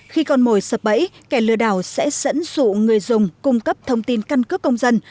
khi con mồi sập bẫy kẻ lừa đảo sẽ dẫn dụ người dùng cung cấp thông tin căn cước công dân